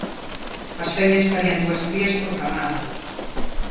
As femias parían dúas crías por camada.